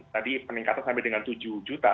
tadi peningkatan sampai dengan tujuh juta